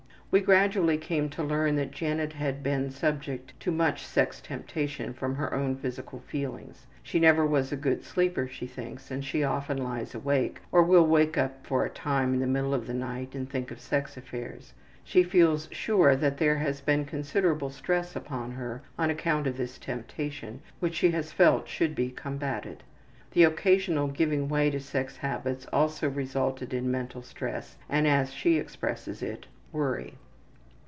We gradually came to learn that Janet had been subject to much sex temptation from her own physical feelings. She never was a good sleeper, she thinks, and she often lies awake, or will wake up for a time in the middle of the night and think of sex affairs. She feels sure there has been considerable stress upon her on account of this temptation which she has felt should be combated. The occasional giving way to sex habits also resulted in mental stress and, as she expresses it, worry.